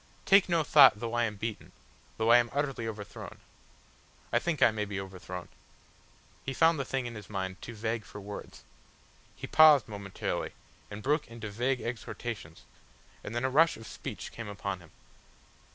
Take no thought though I am beaten, though I am utterly overthrown. I think I may be overthrown." He found the thing in his mind too vague for words. He paused momentarily, and broke into vague exhortations, and then a rush of speech came upon him.